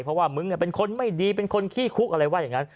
เพราะว่ามึงเป็นคนไม่ดีเป็นคนขี้คุกอะไรว่าอย่างนั้น